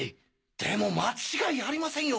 でも間違いありませんよ